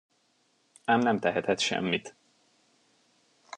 Ám nem tehetett semmit.